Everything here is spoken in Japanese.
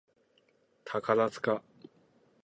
宝塚